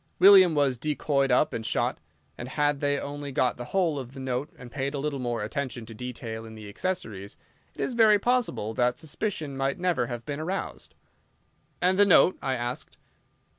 William was decoyed up and shot, and had they only got the whole of the note and paid a little more attention to detail in the accessories, it is very possible that suspicion might never have been aroused." "And the note?" I asked.